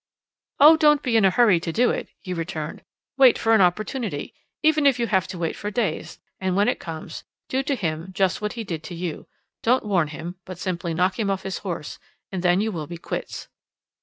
"Oh, don't be in a hurry to do it," he returned. "Wait for an opportunity, even if you have to wait for days; and when it comes, do to him just what he did to you. Don't warn him, but simply knock him off his horse, and then you will be quits."